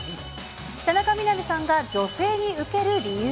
田中みな実さんが女性に受ける理由。